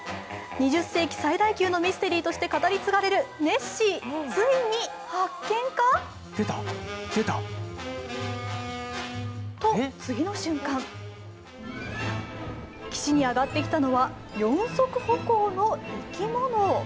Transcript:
２０世紀最大級のミステリーとして語り継がれるネッシー、ついに発見か？と、次の瞬間岸に上がってきたのは４足歩行の生き物。